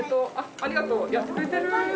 ありがとう。